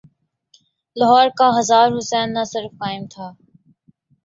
لاہور کا بازار حسن نہ صرف قائم تھا۔